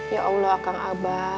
ya allah akang abah